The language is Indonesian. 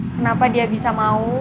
kenapa dia bisa mau